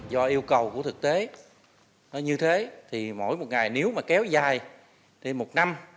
do yêu cầu của thực tế như thế thì mỗi một ngày nếu mà kéo dài thì một năm